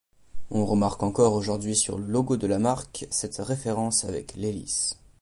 On remarque encore aujourd'hui sur le logo de la marque cette référence avec l'hélice.